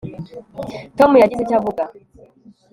tom yagize icyo avuga